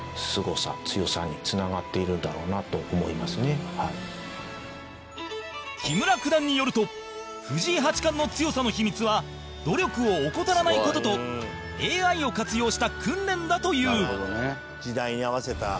更に木村九段によると藤井八冠の強さの秘密は努力を怠らない事とＡＩを活用した訓練だという山崎：時代に合わせた。